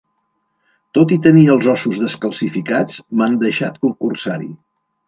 Tot i tenir els ossos descalcificats, m'han deixat concursar-hi.